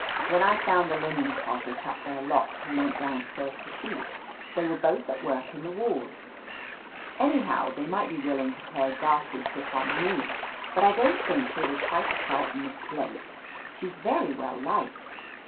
When I found 38 OF LETITIA CARBERRY the linen closet up there locked and went down stairs for sheets, they were both at work in the wards. Anyhow, they might be willing to play a ghastly trick on me, but I don't think they would try to frighten Miss Blake. She's yery well liked."